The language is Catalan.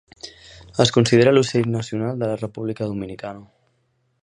Es considera l'ocell nacional de la República Dominicana.